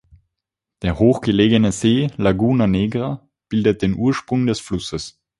Der hoch gelegene See Laguna Negra bildet den Ursprung des Flusses.